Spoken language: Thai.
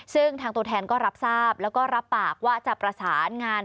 ซึ่งทางตัวแทนก็รับทราบแล้วก็รับปากว่าจะประสานงาน